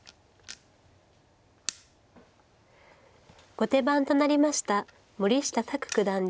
後手番となりました森下卓九段です。